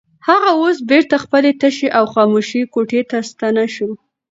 هغه اوس بېرته خپلې تشې او خاموشې کوټې ته ستنه شوه.